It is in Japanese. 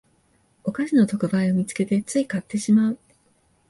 お菓子の特売を見つけてつい買ってしまう